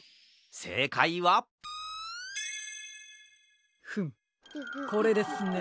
せいかいはフムこれですね。